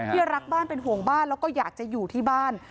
ที่รักบ้านเป็นห่วงบ้านแล้วก็อยากจะอยู่ที่บ้าน